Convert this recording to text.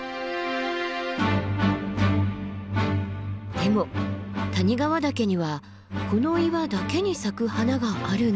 でも谷川岳にはこの岩だけに咲く花があるんだそうです。